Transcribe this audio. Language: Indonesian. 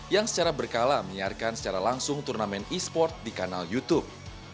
yang secara berkala menyiarkan secara langsung turnamen esports di channel youtube